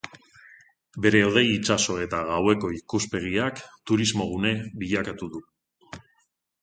Bere hodei-itsaso eta gaueko ikuspegiak turismogune bilakatu du.